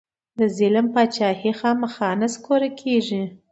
د ظلم بادچاهي خامخا نسکوره کېږي.